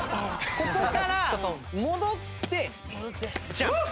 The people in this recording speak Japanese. ここから戻ってジャンプ。